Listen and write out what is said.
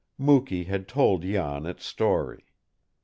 Mukee had told Jan its story.